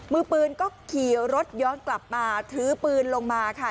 มือปืนก็ขี่รถย้อนกลับมาถือปืนลงมาค่ะ